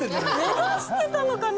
目指してたのかな？